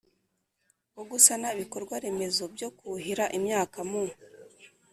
wo gusana ibikorwa remezo byo kuhira imyaka mu